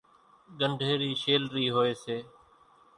ڳنڍيرِي شيلرِي هوئيَ سي۔